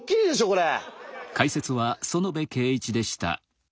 これ。